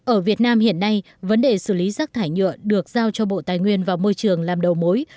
ở việt nam hiện nay vấn đề xử lý rác thải nhựa được giao cho bộ tài nguyên và môi trường làm đầu mối